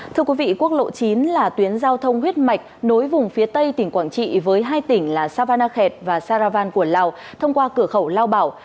thưa quý vị quốc lộ chín là tuyến giao thông huyết mạch nối vùng phía tây tỉnh quảng trị với hai tỉnh là savanakhet và saravan của lào thông qua cửa khẩu lao bảo